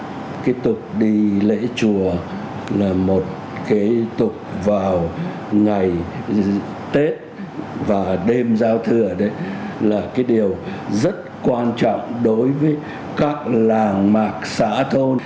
chúng tôi tiếp tục đi lễ chùa là một cái tục vào ngày tết và đêm giao thừa đấy là cái điều rất quan trọng đối với các làng mạc xã thôn